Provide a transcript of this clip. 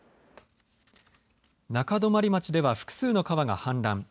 中泊町では複数の川が氾濫。